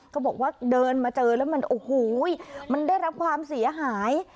บอกว่าเดินมาเจอแล้วมันโอ้โหมันได้รับความเสียหาย